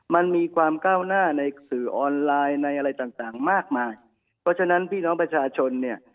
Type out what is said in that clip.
มันมีความก้าวหน้าในสื่อออนไลน์ในอะไรต่างต่างมากมายเพราะฉะนั้นพี่น้องประชาชนเนี่ย